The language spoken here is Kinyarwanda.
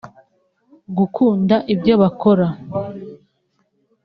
gukunda ibyo bakora